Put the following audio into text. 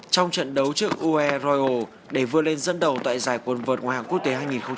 trong trận đấu trước ue royal để vượt lên dẫn đầu tại giải quân vượt ngoại hạng quốc tế hai nghìn một mươi sáu